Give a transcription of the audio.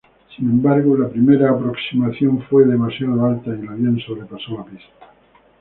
Sin embargo, la primera aproximación era demasiado alta y el avión sobrepasó la pista.